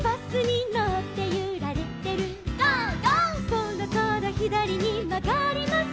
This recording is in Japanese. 「そろそろひだりにまがります」